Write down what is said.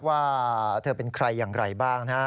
ว่าเธอเป็นใครอย่างไรบ้างนะฮะ